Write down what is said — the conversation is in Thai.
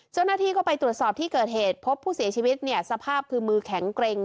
เจ้าหน้าที่ก็ไปตรวจสอบที่เกิดเหตุพบผู้เสียชีวิตเนี่ยสภาพคือมือแข็งเกร็ง